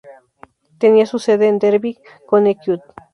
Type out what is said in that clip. Tenía su sede en Derby, Connecticut.